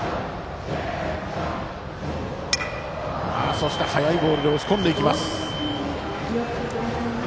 そして、速いボールで押し込んでいきます。